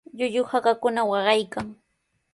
Llullu hakakuna waqaykan.